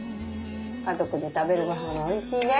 家族で食べるごはんはおいしいね。